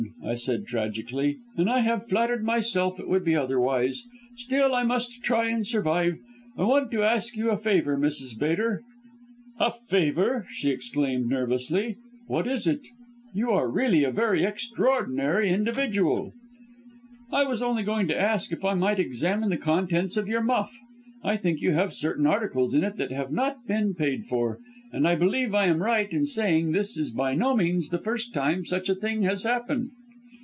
I said tragically, 'and I had flattered myself it would be otherwise. Still I must try and survive. I wanted to ask you a favour, Mrs. Bater.' "'A favour!' she exclaimed nervously, 'what is it? You are really a very extraordinary individual.' "'I was only going to ask if I might examine the contents of your muff? I think you have certain articles in it that have not been paid for and I believe I am right in saying this is by no means the first time such a thing has happened.'